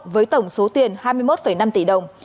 với tổng số tiền hai mươi một năm tỷ đồng